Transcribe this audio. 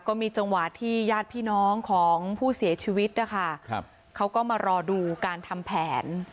ก็มีจังหวะที่ญาติพี่น้องของผู้เสียชีวิตนะคะครับเขาก็มารอดูการทำแผน